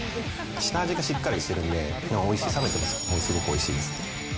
下味がしっかりしてるんで、おいしい、冷めてもすごくおいしいです。